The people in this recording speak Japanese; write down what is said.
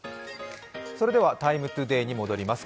「ＴＩＭＥ，ＴＯＤＡＹ」に戻ります。